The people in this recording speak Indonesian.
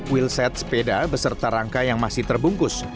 wilset sepeda beserta rangka yang masih terbungkus